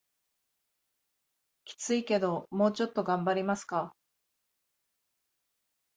キツいけどもうちょっと頑張りますか